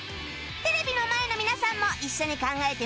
テレビの前の皆さんも一緒に考えてみてね！